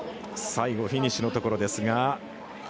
最後フィニッシュのところ。